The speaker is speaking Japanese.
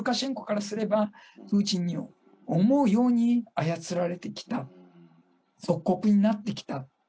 本当にルカシェンコからすれば、プーチンに思うように操られてきた、属国になってきた。